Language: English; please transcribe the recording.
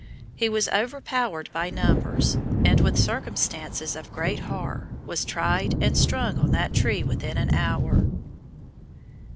He was overpowered by numbers, and, with circumstances of great horror, was tried and strung on that tree within an hour.